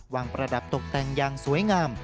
วางประดับตกแต่งยังสวยงาม